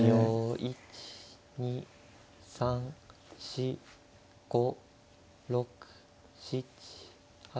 １２３４５６７８。